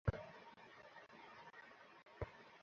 ওহহ, wow.